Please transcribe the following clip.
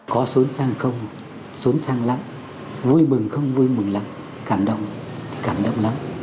có xuống sang không xuống sang lắm vui mừng không vui mừng lắm cảm động cảm động lắm